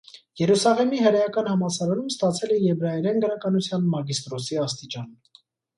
Երուսաղեմի հրեական համալսարանում ստացել է եբրայերեն գրականության մագիստրոսի աստիճան։